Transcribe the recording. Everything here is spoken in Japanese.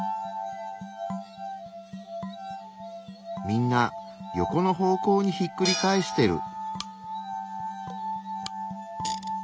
みんなヨコの方向にひっくり返してる。